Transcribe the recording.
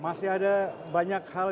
masih ada banyak hal